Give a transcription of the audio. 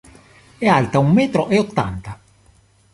È alta un metro e ottanta.